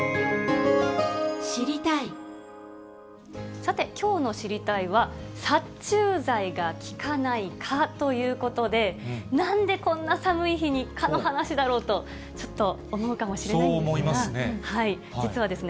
さて、きょうの知りたいッ！は、殺虫剤が効かない蚊ということで、なんでこんな寒い日に、蚊の話だろうと、ちょっと思うかもしれないんですが。